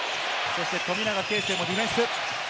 富永啓生もディフェンス。